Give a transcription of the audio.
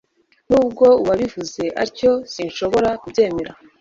Nubwo uwabivuze atyo sinshobora kubyemera